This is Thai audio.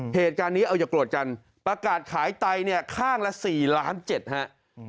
เหตุการณ์นี้เอาอย่ากรวดกันประกาศขายไต้ข้างละ๔ล้านเจ็ดครับ